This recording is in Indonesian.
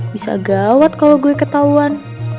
bisa gawat kalau gue ketahuan